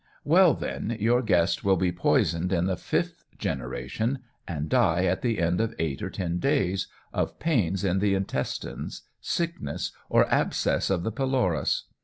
Well, then, your guest will be poisoned in the fifth generation, and die at the end of eight or ten days, of pains in the intestines, sickness, or abscess of the pylorus.